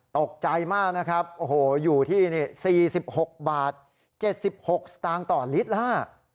ตกใจมากนะครับโอ้โหอยู่ที่๔๖บาท๗๖สตางค์ต่อลิตรล่ะ